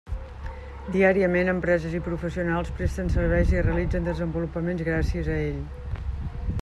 Diàriament, empreses i professionals presten serveis i realitzen desenvolupaments gràcies a ell.